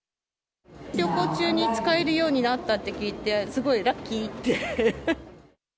旅行中に使えるようになったって聞いて、すごいラッキーって。